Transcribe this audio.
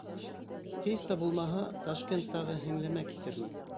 Һис тә булмаһа, Ташкенттағы һеңлемә китермен.